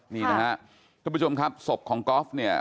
นี่นะครับทุกผู้ชมครับศพของกอล์ฟเนี่ย